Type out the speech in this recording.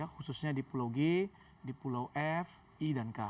khususnya di pulau g di pulau f i dan k